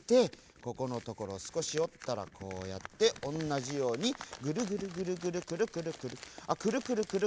ここのところをすこしおったらこうやっておんなじようにぐるぐるぐるぐるくるくるくるあ